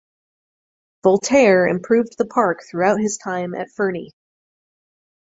Voltaire improved the park throughout his time at Ferney.